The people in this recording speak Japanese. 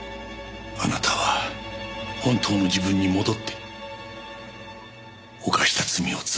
あなたは本当の自分に戻って犯した罪を償ってください。